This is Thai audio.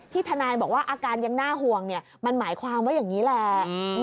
ทนายบอกว่าอาการยังน่าห่วงมันหมายความว่าอย่างนี้แหละ